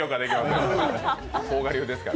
甲賀流ですから。